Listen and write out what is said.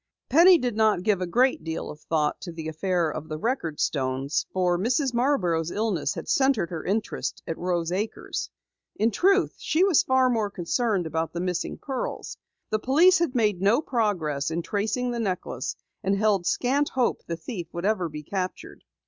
Penny did not give a great deal of thought to the affair of the record stones for Mrs. Marborough's illness had centered her interest at Rose Acres. In truth, she was far more concerned about the missing pearls. The police had made no progress in tracing the necklace and held scant hope the thief would be captured.